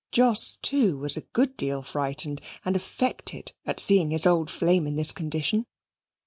Jos, too, was a good deal frightened and affected at seeing his old flame in this condition.